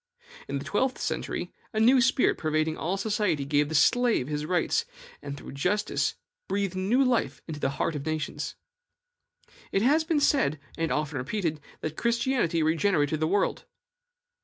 In the twelfth century, a new spirit pervading all society gave the slave his rights, and through justice breathed new life into the heart of nations. It has been said, and often repeated, that Christianity regenerated the world.